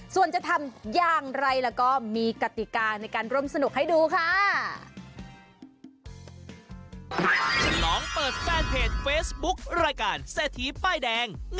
ส่วนจะทำอย่างไรแล้วก็มีกติกาในการร่วมสนุกให้ดูค่ะ